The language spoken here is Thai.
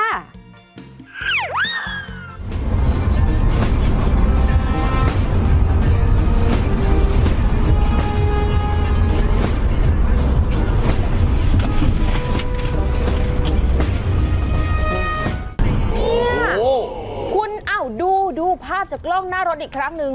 เนี่ยคุณเอ้าดูภาพจากกล้องหน้ารถอีกครั้งหนึ่ง